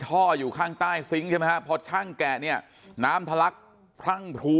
ท่ออยู่ข้างใต้ซิงค์ใช่ไหมฮะพอช่างแกะเนี่ยน้ำทะลักพรั่งพรู